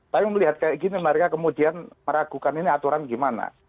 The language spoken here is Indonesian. tapi melihat kayak gini mereka kemudian meragukan ini aturan gimana